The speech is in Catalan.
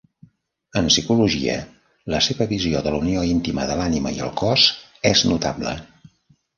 En psicologia, la seva visió de la unió íntima de l'ànima i el cos és notable.